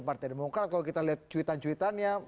partai demokrat kalau kita lihat cuitan cuitannya